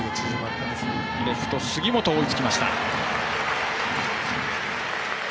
レフト、杉本追いつきました。